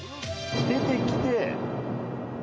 出てきて。